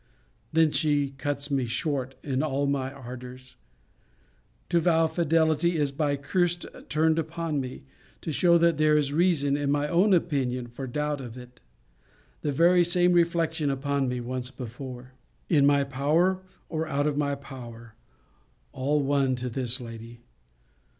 Then she cuts me short in all my ardours. To vow fidelity, is by a cursed turn upon me, to shew, that there is reason, in my own opinion, for doubt of it. The very same reflection upon me once before.* * See Vol. II. Letter XIII. In my power, or out of my power, all one to this lady.